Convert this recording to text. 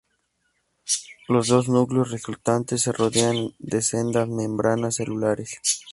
Los dos núcleos resultantes se rodean de sendas membranas celulares.